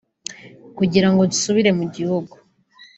Kugirango nsubire mu gihugu